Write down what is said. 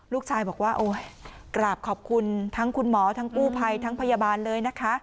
ลูกชายบอกว่าโอ้ยกราบขอบคุณทั้งคุณหมอทั้งกู้ภัยทั้งพยาบาลเลยนะคะ